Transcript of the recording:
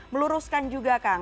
meluruskan juga kang